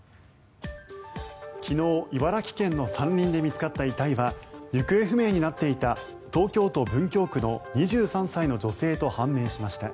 昨日、茨城県の山林で見つかった遺体は行方不明になっていた東京都文京区の２３歳の女性と判明しました。